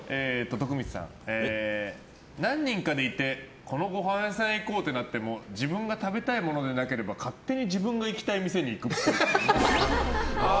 徳光さん、何人かでいてこのごはん屋さん行こうとなっても自分が食べたいものがなければ勝手に自分が行きたい店に行くっぽい。